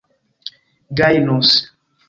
gajnus